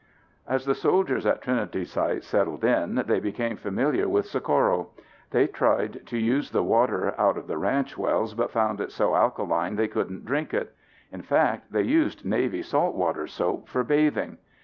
As the soldiers at Trinity Site settled in they became familiar with Socorro. They tried to use the water out of the ranch wells but found it so alkaline they couldn't drink it. In fact, they used Navy salt water soap for bathing.